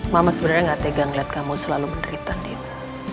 mama sebenarnya gak tegang liat kamu selalu menderita nino